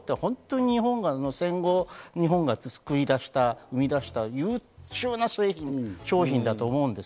卵は日本が戦後、作り出した、生み出した優秀な製品、商品だと思います。